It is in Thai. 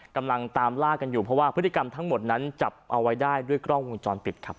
กำลังตามล่ากันอยู่เพราะว่าพฤติกรรมทั้งหมดนั้นจับเอาไว้ได้ด้วยกล้องวงจรปิดครับ